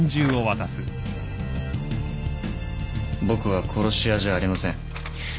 僕は殺し屋じゃありません